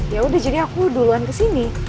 ya udah jadi aku duluan ke sini